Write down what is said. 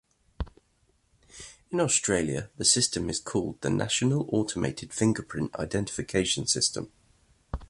In Australia, the system is called the National Automated Fingerprint Identification System.